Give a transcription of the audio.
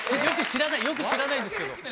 よく知らない、よく知らないですけど。